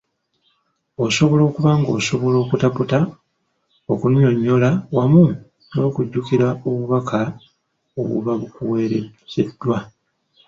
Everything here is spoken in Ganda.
Osobola okuba ng’osobola okutaputa, okunnyonnyola wamu n’okujjukira obubaka obuba bukuweerezeddwa.